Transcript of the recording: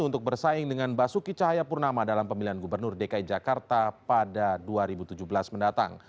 untuk bersaing dengan basuki cahayapurnama dalam pemilihan gubernur dki jakarta pada dua ribu tujuh belas mendatang